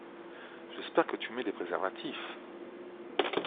J'espère que tu mets des préservatifs!